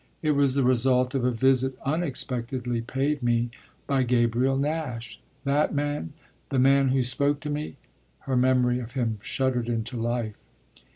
"It was the result of a visit unexpectedly paid me by Gabriel Nash." "That man the man who spoke to me?" Her memory of him shuddered into life.